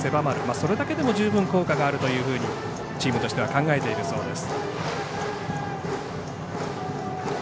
それだけでも十分効果があるというふうにチームとしては考えているそうです。